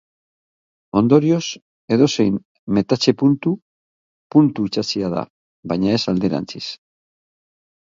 Ondorioz, edozein metatze-puntu puntu itsatsia da, baina ez alderantziz.